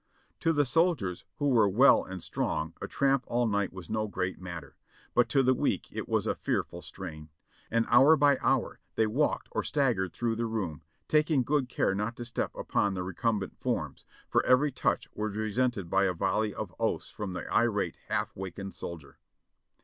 To the soldiers who were well and strong a tramp all night was no great matter, but to the weak it was a fearful strain, and hour by hour they walked or staggered through the room, taking good care not to step upon the recumbent forms, for every touch was resented by a volley of oaths from the irate, half wakened soldier.